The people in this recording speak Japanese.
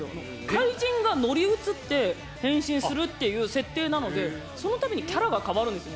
怪人が乗り移って変身するっていう設定なのでその度にキャラが変わるんですよ。